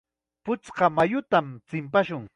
Puchka mayutam chimpashun.